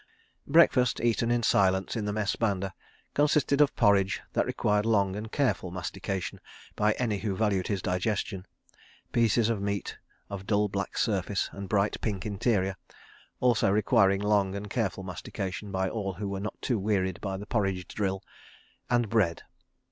... Breakfast, eaten in silence in the Mess banda, consisted of porridge that required long and careful mastication by any who valued his digestion; pieces of meat of dull black surface and bright pink interior, also requiring long and careful mastication by all who were not too wearied by the porridge drill; and bread.